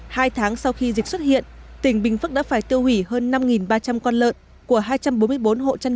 hai tháng sau khi dịch xuất hiện tỉnh bình phước đã phải tiêu hủy hơn năm ba trăm linh con lợn của hai trăm bốn mươi bốn hộ chăn